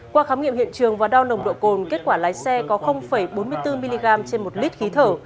qua khám nghiệm hiện trường và đo nồng độ cồn kết quả lái xe có bốn mươi bốn mg trên một lít khí thở